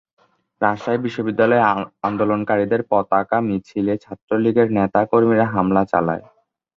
রাজশাহী বিশ্ববিদ্যালয়ে আন্দোলনকারীদের পতাকা মিছিলে ছাত্রলীগের নেতা-কর্মীরা হামলা চালায়।